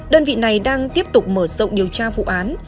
đơn vị này đang tiếp tục mở rộng điều tra vụ án